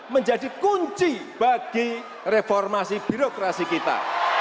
menjadi kunci bagi reformasi birokrasi kita